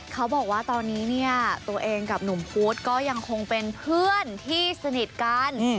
เขาบอกว่าตอนนี้เนี่ยตัวเองกับหนุ่มพุธก็ยังคงเป็นเพื่อนที่สนิทกัน